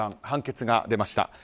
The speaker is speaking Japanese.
判決が出ました。